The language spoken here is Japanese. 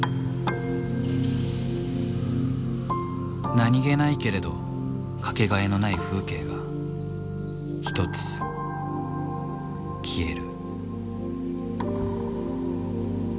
何気ないけれど掛けがえのない風景が一つ消える。